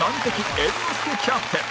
猿之助キャプテン